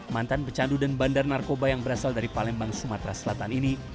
mantan pecandu dan bandar narkoba yang berasal dari palembang sumatera selatan ini